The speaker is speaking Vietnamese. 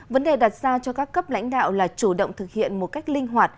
vấn đề đặt ra cho các cấp lãnh đạo là chủ động thực hiện một cách linh hoạt